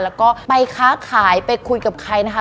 แล้วก็ไปค้าขายไปคุยกับใครนะคะ